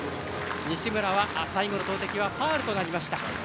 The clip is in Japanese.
西村は最後の投てきはファウルとなりました。